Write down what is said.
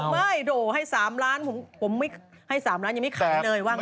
ผมบอกว่าไม่โดนให้๓ล้านผมไม่ให้๓ล้านยังไม่ขายเลยว่างั้น